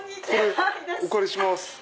お借りします。